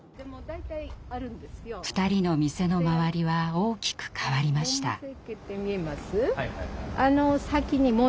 ２人の店の周りは大きく変わりました。